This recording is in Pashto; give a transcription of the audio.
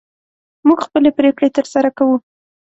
موږ خپلې پرېکړې تر سره کوو.